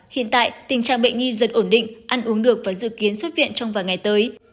hiện tại tình trạng bệnh nhi dần ổn định ăn uống được và dự kiến xuất viện trong vài ngày tới